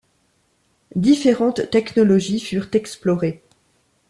Différentes technologies furent explorées.